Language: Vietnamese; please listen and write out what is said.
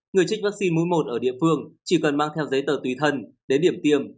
người trích vaccine muối một ở địa phương chỉ cần mang theo giấy tờ tùy thân đến điểm tiêm